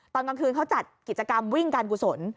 ตอนกลางคืนเขาจัดกิจกรรมวิ่งการกุศล